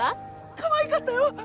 かわいかったよ！